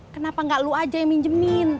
kenapa gak lu aja yang minjemin